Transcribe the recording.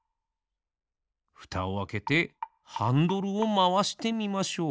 ふたをあけてハンドルをまわしてみましょう。